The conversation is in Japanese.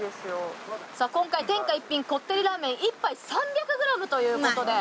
今回天下一品こってりラーメン１杯３００ｇということで。